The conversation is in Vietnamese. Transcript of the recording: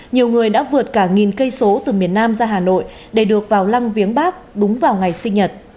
nhiều người đã vượt cả nghìn cây số từ miền nam ra hà nội để được vào lăng viếng bác đúng vào ngày sinh nhật